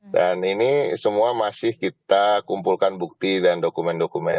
dan ini semua masih kita kumpulkan bukti dan dokumen dokumen